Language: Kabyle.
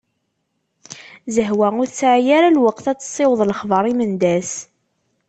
Zehwa ur tesɛi ara lweqt ad tessiweḍ lexbar i Mendas.